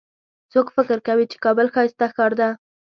څوک فکر کوي چې کابل ښایسته ښار ده